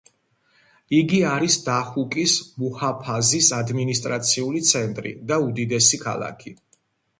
იგი არის დაჰუკის მუჰაფაზის ადმინისტრაციული ცენტრი და უდიდესი ქალაქი.